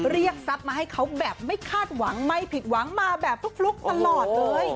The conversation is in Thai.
เรียกทรัพย์มาให้เขาแบบไม่คาดหวังไม่ผิดหวังมาแบบฟลุกตลอดเลย